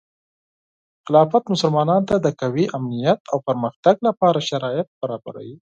خلافت مسلمانانو ته د قوي امنیت او پرمختګ لپاره شرایط برابروي.